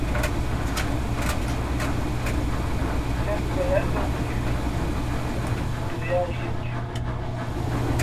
Ncēn kwelěʼ mbᾱ tα ncwī nto yāā zhīē ncə.